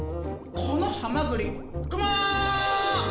このハマグリうまあっ！